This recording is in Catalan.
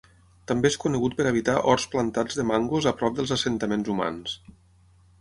També és conegut per habitar horts plantats de mangos a prop dels assentaments humans.